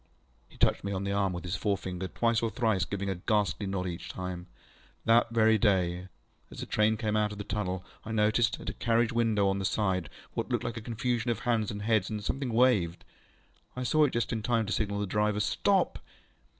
ŌĆØ He touched me on the arm with his forefinger twice or thrice giving a ghastly nod each time:ŌĆö ŌĆ£That very day, as a train came out of the tunnel, I noticed, at a carriage window on my side, what looked like a confusion of hands and heads, and something waved. I saw it just in time to signal the driver, Stop!